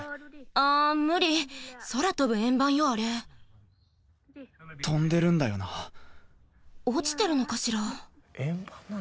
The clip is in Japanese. ・ああ無理空飛ぶ円盤よあれ・飛んでるんだよな・落ちてるのかしら・